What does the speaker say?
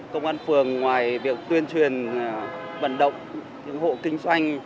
công an phường ngoài việc tuyên truyền vận động những hộ kinh doanh